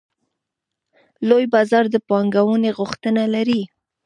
لوی بازار د پانګونې غوښتنه لري.